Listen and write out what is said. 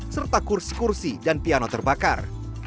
serta kursi kursi dan piano terbakar